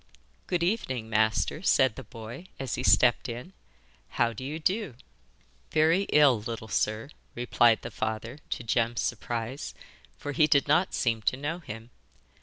'Good evening, master,' said the boy, as he stepped in. 'How do you do?' 'Very ill, little sir, replied the father, to Jem's surprise, for he did not seem to know him.